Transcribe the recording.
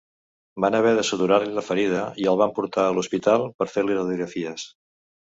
Van haver de suturar-li la ferida i el van portar a l'hospital per fer-li radiografies.